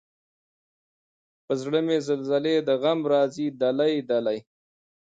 پۀ زړۀ مې زلزلې د غم راځي دلۍ، دلۍ